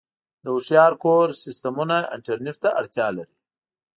د هوښیار کور سیسټمونه انټرنیټ ته اړتیا لري.